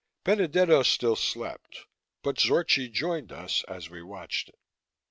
Benedetto still slept, but Zorchi joined us as we watched it.